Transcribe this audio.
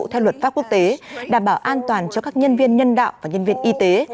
theo luật pháp quốc tế đảm bảo an toàn cho các nhân viên nhân đạo và nhân viên y tế